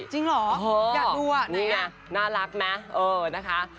จริงเหรออยากดูอ่ะนี่ไงน่ารักไหมเออนะคะ